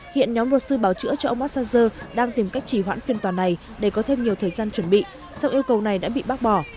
hiện nhóm luật sư bảo chữa cho ông assanger đang tìm cách chỉ hoãn phiên tòa này để có thêm nhiều thời gian chuẩn bị sau yêu cầu này đã bị bác bỏ